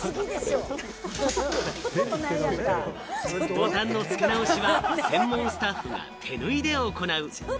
ボタンの付け直しは専門スタッフが手縫いで行う。